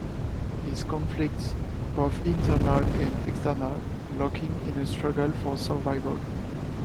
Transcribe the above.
His conflicts-both internal and external-lock him in a struggle for survival.